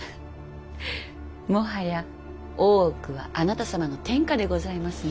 もはや大奥はあなた様の天下でございますね。